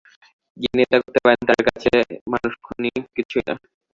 যিনি এটা করতে পারেন, কারণ তাঁর কাছে মানুষ খুন কিছুই না।